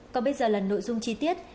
còn bây giờ là nội dung chi tiết